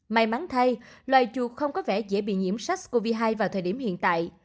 may mắn thay loài chuột không có vẻ dễ bị nhiễm sars cov hai vào thời điểm hiện tại